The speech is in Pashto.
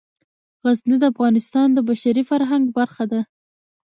غزني د افغانستان د بشري فرهنګ برخه ده.